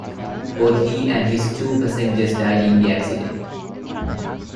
Both he and his two passengers died in the accident.